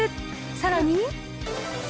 さらに。